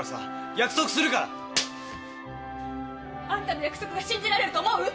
約束するから。あんたの約束が信じられると思う？